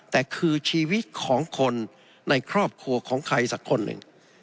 แต่คือชีวิตของคนในครอบครัวของใครสักคนหนึ่ง